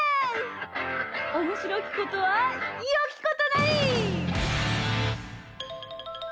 「おもしろきことはよきことなり」！